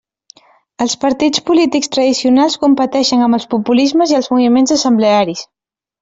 Els partits polítics tradicionals competeixen amb els populismes i els moviments assemblearis.